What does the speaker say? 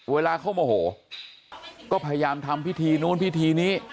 เวลาเขาโมโหก็พยายามทำพิธีนู้นพิธีนี้